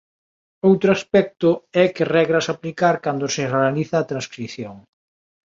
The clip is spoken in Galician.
Outro aspecto é que regras aplicar cando se realiza a transcrición.